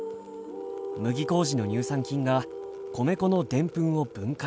麦麹の乳酸菌が米粉のでんぷんを分解。